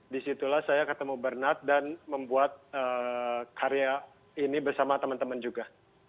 disitulah saya ketemu bernard dan membuat karya ini bersama teman teman juga